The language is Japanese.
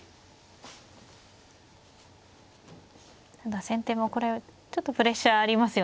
ただ先手もこれちょっとプレッシャーありますよね。